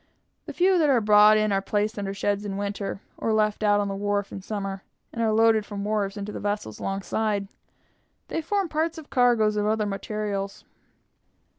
The few that are brought in are placed under sheds in winter, or left out on the wharf in summer, and are loaded from the wharves into the vessels alongside. They form parts of cargoes of other materials."